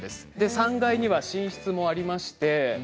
３階には寝室があります。